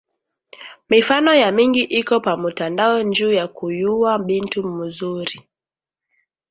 Mifano ya mingi iko pa mutandao, njuu ya kuyuwa bintu muzuri